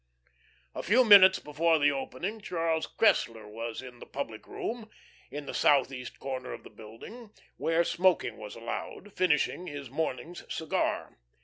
A few moments before the opening Charles Cressler was in the public room, in the southeast corner of the building, where smoking was allowed, finishing his morning's cigar.